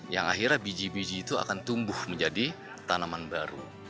yang akhirnya biji biji itu akan tumbuh menjadi tanaman baru